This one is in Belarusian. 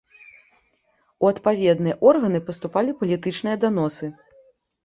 У адпаведныя органы паступалі палітычныя даносы.